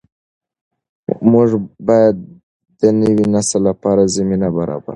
موږ باید د نوي نسل لپاره زمینه برابره کړو.